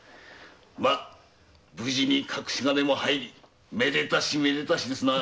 ま無事に隠し金も入りめでたしめでたしですな。